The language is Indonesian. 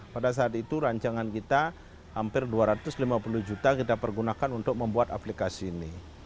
pada saat itu rancangan kita hampir dua ratus lima puluh juta kita pergunakan untuk membuat aplikasi ini